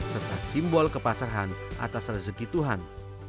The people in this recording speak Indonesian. serta simbol kepasaran atas rezeki tuhan